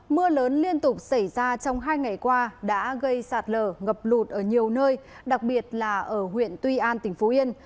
mưa lớn liên tục xảy ra trong hai ngày qua đã gây sạt lở ngập lụt ở nhiều nơi đặc biệt là ở huyện tuy an tỉnh phú yên